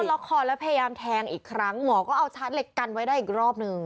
ล็อกคอแล้วพยายามแทงอีกครั้งหมอก็เอาชาร์จเหล็กกันไว้ได้อีกรอบหนึ่ง